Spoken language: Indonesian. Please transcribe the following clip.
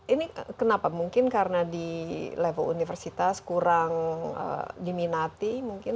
ini kenapa mungkin karena di level universitas kurang diminati mungkin